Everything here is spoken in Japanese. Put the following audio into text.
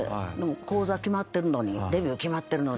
高座決まってるのにデビュー決まってるのに。